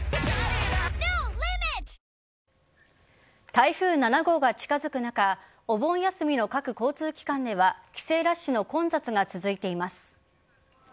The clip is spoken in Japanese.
台風７号が近づく中お盆休みの各交通機関では帰省ラッシュの混雑が続いています。